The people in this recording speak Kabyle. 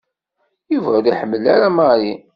Yuba ur iḥemmel ara Mary.